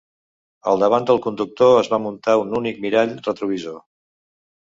Al davant del conductor es va muntar un únic mirall retrovisor.